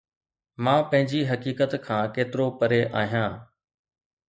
مان پنهنجي حقيقت کان ڪيترو پري آهيان